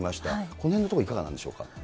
このへんのところ、いかがなんでしょうか。